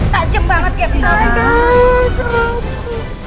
tak jem banget kayak bisa